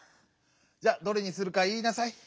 じゃどれにするかいいなさい。